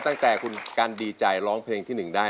ตั้งแต่คุณกันดีใจร้องเพลงที่๑ได้